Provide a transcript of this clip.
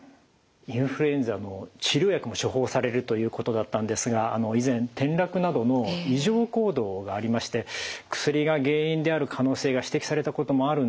インフルエンザの治療薬も処方されるということだったんですが以前転落などの異常行動がありまして薬が原因である可能性が指摘されたこともある。